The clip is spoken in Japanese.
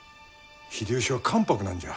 秀吉は関白なんじゃ。